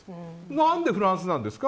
何でフランスなんですか。